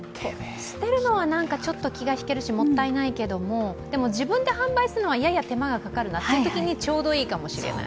捨てるのはちょっと気が引けるし、もったいない気がするけど、自分で販売するのは、やや手間がかかるなというときにちょうどいいかもしれない。